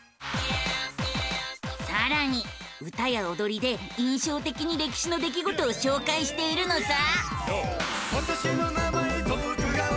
さらに歌やおどりで印象的に歴史の出来事を紹介しているのさ！